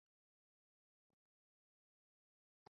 电影在北爱尔兰的贝尔法斯特拍摄。